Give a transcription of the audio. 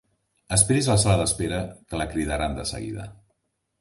Esperi's a la sala d'espera, que la cridaran de seguida.